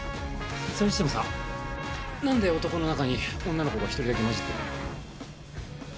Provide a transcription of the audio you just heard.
それにしてもさ何で男の中に女の子が１人だけ交じってんの？